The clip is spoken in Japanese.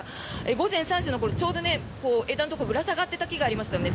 午前３時ちょうど枝のところにぶら下がっていた木がありましたね